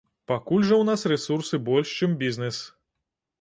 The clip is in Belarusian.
Пакуль жа ў нас рэсурсы больш, чым бізнес.